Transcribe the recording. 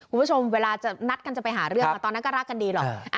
เวลาจะนัดกันจะไปหาเรื่องตอนนั้นก็รักกันดีหรอก